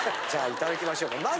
じゃあいただきましょうか。